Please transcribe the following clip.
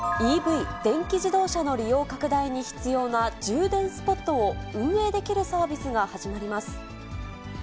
ＥＶ・電気自動車の利用拡大に必要な充電スポットを運営できるサービスが始まります。